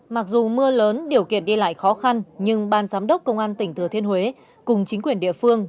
mặc dù mưa lớn điều kiện đi lại khó khăn nhưng ban giám đốc công an tỉnh thừa thiên huế cùng chính quyền địa phương